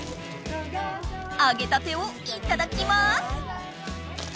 あげたてをいただきます！